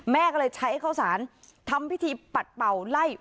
แม่ก็เลยใช้ข้าวสารทำพิธีปัดเป่าไล่